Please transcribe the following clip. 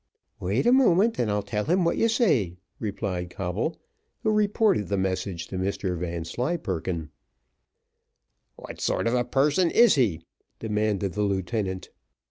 "Wait a moment, and I'll tell him what you say," replied Coble, who reported the message to Mr Vanslyperken. "What sort of a person is he?" demanded the lieutenant.